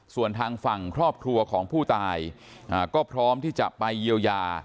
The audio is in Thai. ส่วนทางฝั่งครอบครัวของผู้ตายก็พร้อมที่จะไปเยียวยา